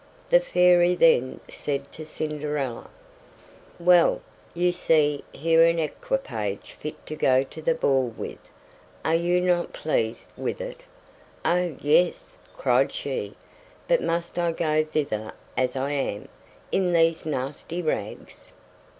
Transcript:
The Fairy then said to Cinderella: "Well, you see here an equipage fit to go to the ball with; are you not pleased with it?" "Oh! yes," cried she; "but must I go thither as I am, in these nasty rags?"